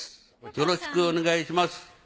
よろしくお願いします。